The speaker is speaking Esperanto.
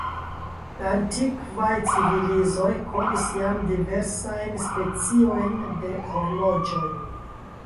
La antikvaj civilizoj konis jam diversajn speciojn de horloĝoj.